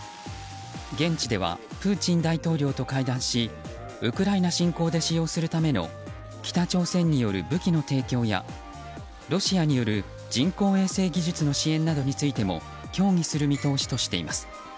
現地ではプーチン大統領と会談しウクライナ侵攻で使用するための北朝鮮による武器の提供やロシアによる人工衛星技術の支援などについても協議する見通しとしています。